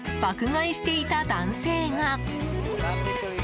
買いしていた男性が。